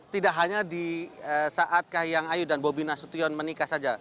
tidak hanya di saat kahiyang ayu dan bobi nasution menikah saja